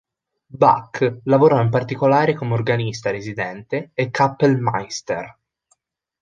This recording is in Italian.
Bach lavorò in particolare come organista residente e "Kapellmeister".